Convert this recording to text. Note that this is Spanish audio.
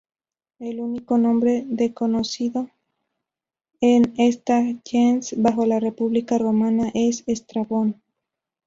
El único nombre de conocido en esta "gens" bajo la República romana es Estrabón.